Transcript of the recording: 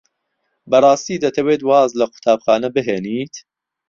بەڕاستی دەتەوێت واز لە قوتابخانە بهێنیت؟